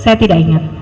saya tidak ingat